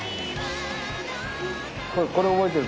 これ覚えてる。